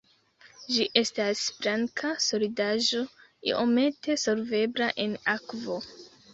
Ĝi estas blanka solidaĵo iomete solvebla en akvo.